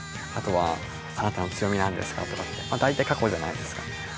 あとは「あなたの強み何ですか？」とかって大体過去じゃないですか。